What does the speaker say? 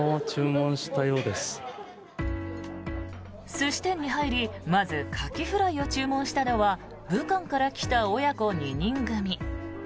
寿司店に入りまずカキフライを注文したのは武漢から来た親子２人組。